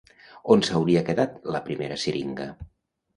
On s'hauria quedat la primera siringa?